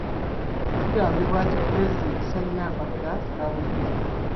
Kigambibwa nti pulezidenti talina mpapula za buyigirize.